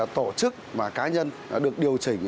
tổ chức và cá nhân được điều chỉnh